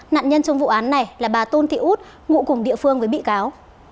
nạn nhân trong vụ án này là bà tôn thị út ngụ cùng địa phương với bị cáo